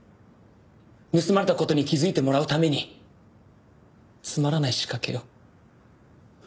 盗まれた事に気づいてもらうためにつまらない仕掛けを。